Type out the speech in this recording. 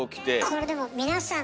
これでも皆さん